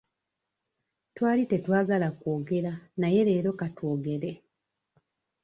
Twali tetwagala kwogera naye leero katwogere.